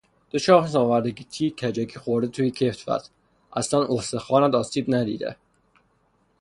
تو شانس آوردی که تیر، کجکی خورده توی کتفت! اصلن استخونات آسیب ندیده